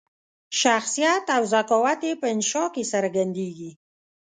شخصیت او ذکاوت یې په انشأ کې څرګندیږي.